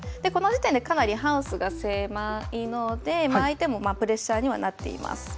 この時点でかなりハウスが狭いので相手もプレッシャーになっています。